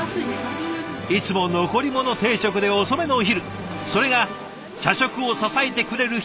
いつも残り物定食で遅めのお昼それが社食を支えてくれる人たちのサラメシ。